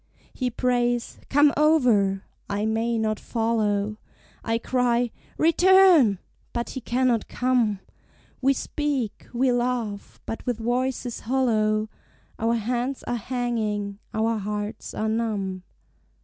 He prays, "Come over" I may not follow; I cry, "Return" but he cannot come: We speak, we laugh, but with voices hollow; Our hands are hanging, our hearts are numb.